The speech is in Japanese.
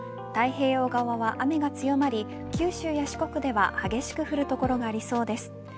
太平洋側は雨が強まり九州や四国では激しく降る所がありそうです。